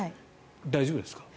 大丈夫ですか？